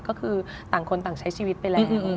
ก็คือต่างคนต่างใช้ชีวิตไปแล้ว